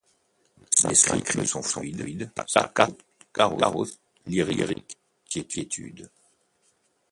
Les cinq rythmes sont fluides, staccato, chaos, lyrique et quiétude.